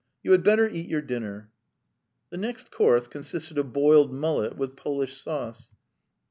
"You had better eat your dinner." The next course consisted of boiled mullet with Polish sauce.